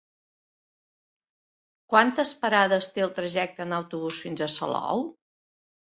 Quantes parades té el trajecte en autobús fins a Salou?